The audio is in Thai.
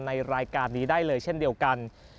ในรายการนี้ได้เลยเช่นเดียวกัน